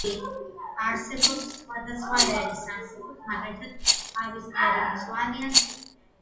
თვაები არსებობს სხვა და სხვა ერის არსებობს მაგალითად ყავიფერი მწვანე ან ცისფერი